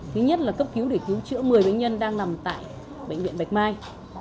thứ nhất là cấp cứu để cứu chữa một mươi bệnh nhân đang nằm tại bệnh viện bạch mai